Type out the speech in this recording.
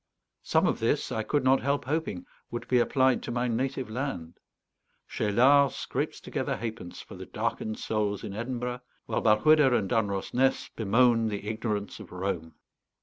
Some of this, I could not help hoping, would be applied to my native land. Cheylard scrapes together halfpence for the darkened souls in Edinburgh, while Balquhidder and Dunrossness bemoan the ignorance of Rome.